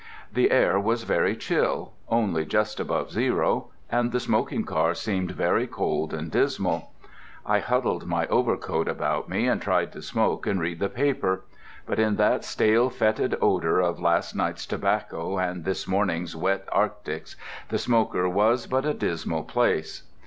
The air was very chill—only just above zero—and the smoking car seemed very cold and dismal. I huddled my overcoat about me and tried to smoke and read the paper. But in that stale, fetid odour of last night's tobacco and this morning's wet arctics the smoker was but a dismal place.